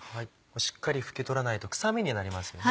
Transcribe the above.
しっかり拭き取らないと臭みになりますもんね。